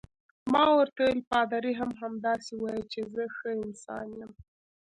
ما ورته وویل: پادري هم همداسې وایي چې زه ښه انسان یم.